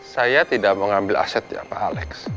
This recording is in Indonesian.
saya tidak mau ambil aset ya pak alex